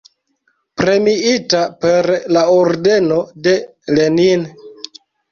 Premiita per la ordeno de Lenin.